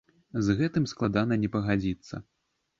З гэтым складана не пагадзіцца.